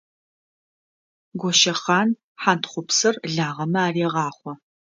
Гощэхъан хьантхъупсыр лагъэмэ арегъахъо.